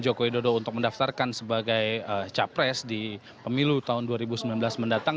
jokowi dodo untuk mendaftarkan sebagai capres di pemilu tahun dua ribu sembilan belas mendatang